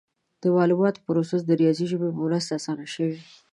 د معلوماتو پروسس د ریاضي ژبې په مرسته اسانه شوی.